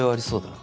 な